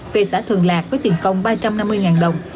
về xã thường lạc với tiền công ba trăm năm mươi đồng